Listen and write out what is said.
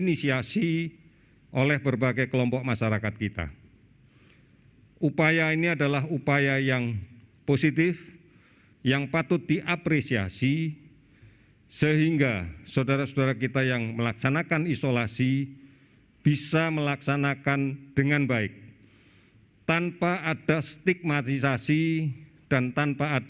pada sebagian hasil kontak tracing yang menunjukkan hasil tes positif dari rapid test